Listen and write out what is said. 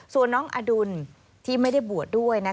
ส่วนน้องอดุลที่ไม่ได้บวชด้วย